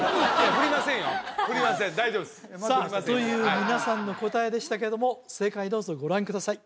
振りません大丈夫ですさあという皆さんの答えでしたけども正解どうぞご覧ください